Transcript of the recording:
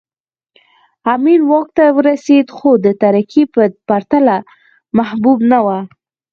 امین واک ته ورسېد خو د ترکي په پرتله محبوب نه و